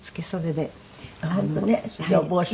でお帽子で。